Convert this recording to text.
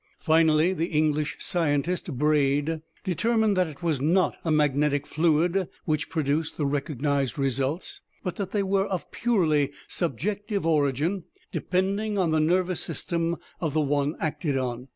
Finally, the English scientist, BRAID, determined that it was not a magnetic fluid which produced the recognized results, "but that they were of purely subjective origin, depending on the nervous system of the one acted on."